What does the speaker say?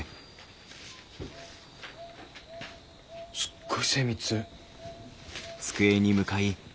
すっごい精密。